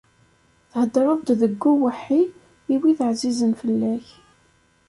Thedreḍ-d deg uweḥḥi i wid ɛzizen fell-ak.